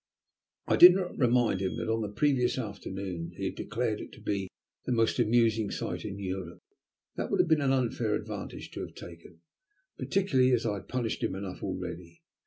I did not remind him that on the previous afternoon he had declared it to be the most amusing sight in Europe. That would have been an unfair advantage to have taken, particularly as I had punished him enough already.